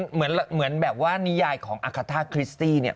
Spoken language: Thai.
เหมือนแบบว่านิยายของอาคาท่าคริสตี้เนี่ย